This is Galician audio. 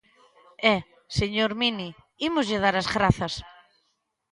E, señor Mini, ímoslle dar as grazas.